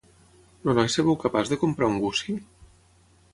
El noi es veu capaç de comprar un gussi?